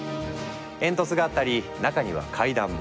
煙突があったり中には階段も。